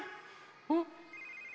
うん？